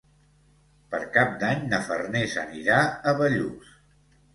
Per Cap d'Any na Farners anirà a Bellús.